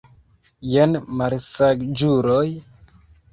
Jen, malsaĝuloj!